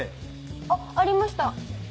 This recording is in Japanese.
あっありました。